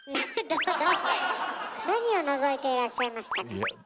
何をのぞいていらっしゃいましたか？